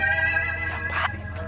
tiap hari pi